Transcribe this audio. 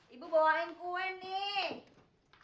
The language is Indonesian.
ibu bawain kue nih